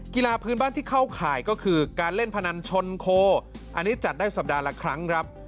กีฬาพื้นบ้านที่เข้าข่ายก็คือการเล่นพนันชนโคอันนี้จัดได้สัปดาห์ละครั้งครับ